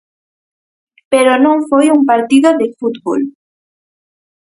Pero non foi un partido de fútbol.